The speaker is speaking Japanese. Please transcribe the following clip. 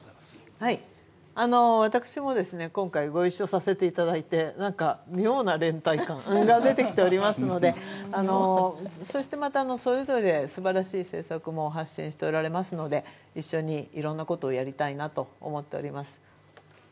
私も今回ご一緒させていただいて、妙な連帯感が出てきておりますのでそして、それぞれすばらしい政策も発信しておられますので一緒にいろんなことをやりたいなと思っております。